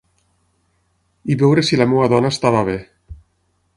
...i veure si la meva dona estava bé